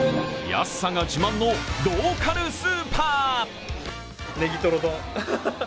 安さが自慢のローカルスーパー。